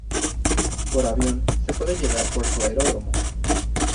Por avión, se puede llegar por su aeródromo.